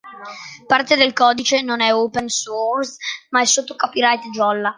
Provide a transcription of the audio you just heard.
Parte del codice non è open source ma è sotto copyright Jolla.